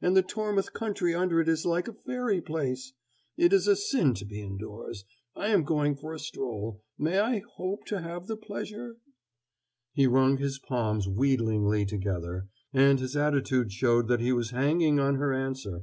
And the Tormouth country under it is like a fairy place. It is a sin to be indoors. I am going for a stroll. May I hope to have the pleasure ?" He wrung his palms wheedlingly together, and his attitude showed that he was hanging on her answer.